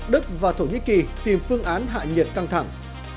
đức và thổ nhĩ kỳ tìm phương án hạ nhiệt căng thẳng